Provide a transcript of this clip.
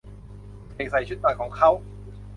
เด็กใส่ชุดนอนของเค้า